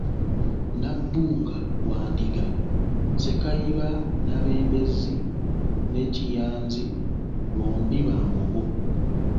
Nabbunga wa Ndiga, Sekayiba Nabembezi ne Kiyanzi bombi ba Mbogo.